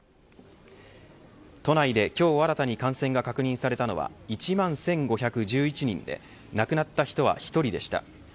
都内で、今日新たに感染が確認されたのは１万１５１１人で亡くなった人は１人でした。